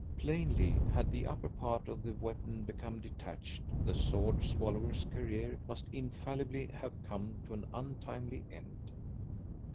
Plainly, had the upper part of the weapon become detached, the sword swallower's career must infallibly have come to an untimely end.